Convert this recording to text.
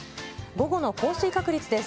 午後の降水確率です。